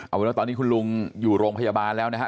เอาเป็นว่าตอนนี้คุณลุงอยู่โรงพยาบาลแล้วนะฮะ